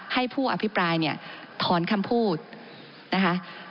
ให้ผู้อภิปรายเนี่ยถอนคำพูดนะคะ